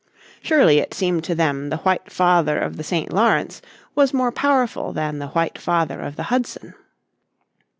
Surely it seemed to them the White Father of the St. Lawrence was more powerful than the White Father of the Hudson.